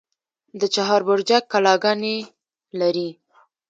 د چهار برجک کلاګانې لري